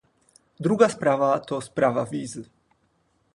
Druga sprawa, to sprawa wiz